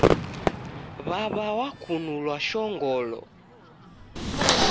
Wawa wakunulwa shongolo